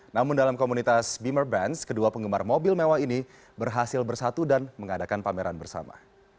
namun dalam komunitas beamer benz kedua penggemar mobil mewah ini berhasil bersatu dan mengadakan pameran bersama